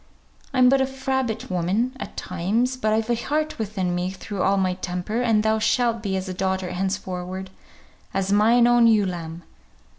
I'm but a frabbit woman at times, but I've a heart within me through all my temper, and thou shalt be as a daughter henceforward, as mine own ewe lamb.